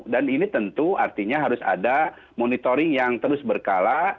dan ini tentu artinya harus ada monitoring yang terus berkala